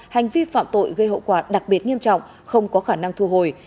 hành vi phạm tội gây hậu quả đặc biệt nghiêm trọng không có khả năng thu hồi